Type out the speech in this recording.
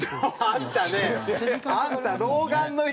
あんた。